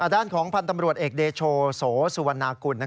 ด้านของพันธ์ตำรวจเอกเดโชโสสุวรรณากุล